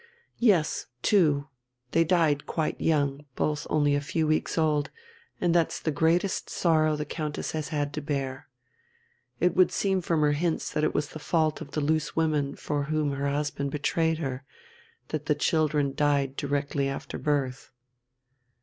"Yes, two. They died quite young, both only a few weeks old, and that's the greatest sorrow the Countess has had to bear. It would seem from her hints that it was the fault of the loose women for whom her husband betrayed her that the children died directly after birth."